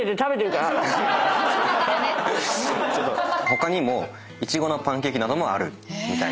他にもいちごのパンケーキなどもあるみたいです。